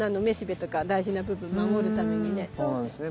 そうなんですね。